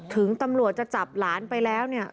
ถึงตำรวจจะจับหลานไปแล้วเนี่ย